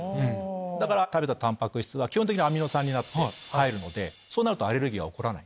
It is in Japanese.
だから食べたたんぱく質は基本的にアミノ酸になるのでそうなるとアレルギーは起こらない。